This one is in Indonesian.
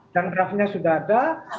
dan draft nya sudah ada